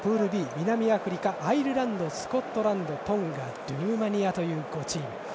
南アフリカ、アイルランドスコットランドトンガ、ルーマニアという５チーム。